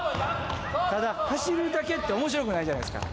ただ走るだけっておもしろくないじゃないですか。